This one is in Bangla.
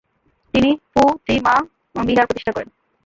তিনি পো-তি-মা বিহার প্রতিষ্ঠা করেন।